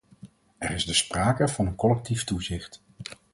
Er is dus sprake van een collectief toezicht.